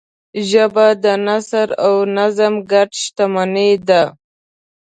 ژبه د نثر او نظم ګډ شتمنۍ ده